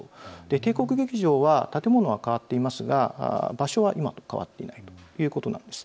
帝国劇場は建物は変わっていますが場所は今と変わっていないということなんです。